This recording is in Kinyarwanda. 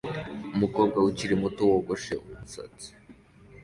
Umukobwa ukiri muto yogoshe umusatsi